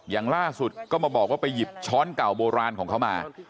อย่างล่าสุดก็มาบอกว่าไปหยิบช้อนเก่าโบราณของเขามา